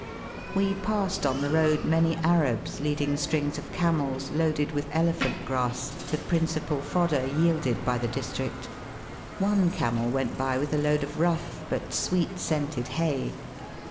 We passed on the road many Arabs leading strings of camels loaded with elephant grass, the principal fodder yielded by the district. One camel went by with a load of rough but sweet scented hay.